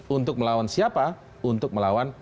untuk melawan siapa untuk melawan